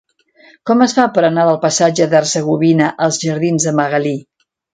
Com es fa per anar del passatge d'Hercegovina als jardins de Magalí?